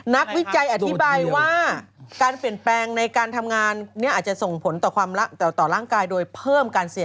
นี่อาจจะส่งผลต่อร่างกายโดดพิษ